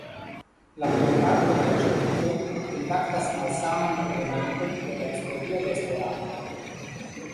La plejparto de la ĉapitroj pritraktas malsamajn elementojn de la historio de Esperanto.